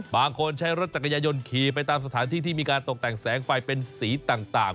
บางคนใช้รถจักรยายนขี่ไปตามสถานที่ที่มีการตกแต่งแสงไฟเป็นสีต่าง